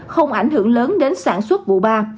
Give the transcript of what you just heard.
không ảnh hưởng lớn đến sản xuất vụ ba